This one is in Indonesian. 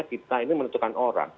kita ini menentukan orang